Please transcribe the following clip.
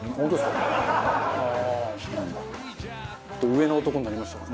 上の男になりましたか？